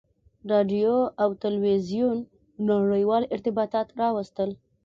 • راډیو او تلویزیون نړیوال ارتباطات راوستل.